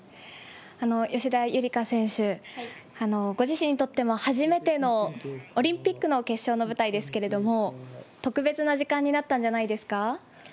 吉田夕梨花選手、ご自身にとっても初めてのオリンピックの決勝の舞台ですけれども、特別な時間になったんじゃないですか。